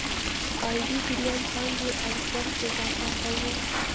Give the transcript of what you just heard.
عايدي جريان پانګې ارزښت اضافه کوو.